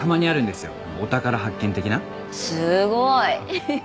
すごーい。